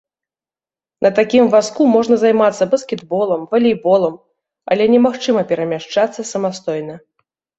На такім вазку можна займацца баскетболам, валейболам, але немагчыма перамяшчацца самастойна.